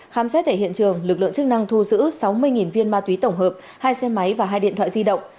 khám xét tại hiện trường lực lượng chức năng thu giữ sáu mươi viên ma túy tổng hợp hai xe máy và hai điện thoại di động